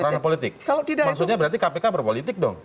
maksudnya berarti kpk berpolitik dong